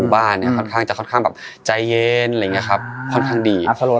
บ้านเนี่ยค่อนข้างจะค่อนข้างแบบใจเย็นอะไรอย่างนี้ครับค่อนข้างดี